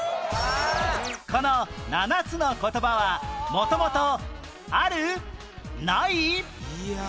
この７つの言葉は元々ある？ない？